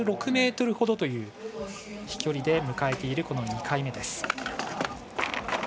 １６ｍほどという飛距離で迎えているこの２回目です。